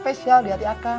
spesial di hati ah kang